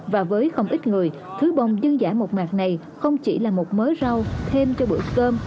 và với không ít người thứ bông dưng dã một mặt này không chỉ là một mớ rau thêm cho bữa cơm